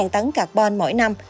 tám tấn carbon mỗi năm